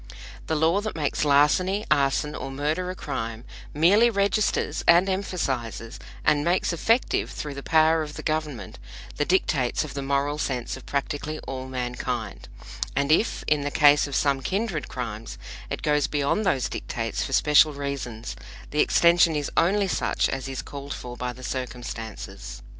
The law that makes larceny, arson or murder a crime merely registers, and emphasizes, and makes effective through the power of the Government, the dictates of the moral sense of practically all mankind; and if, in the case of some kindred crimes, it goes beyond those dictates for special reasons, the extension is only such as is called for by the circumstances.